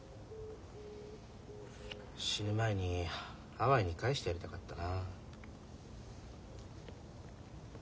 死ぬ前にハワイに帰してやりたかったな。